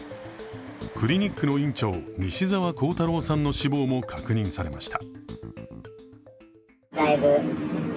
クリニックの院長、西澤弘太郎さんの死亡も確認されました。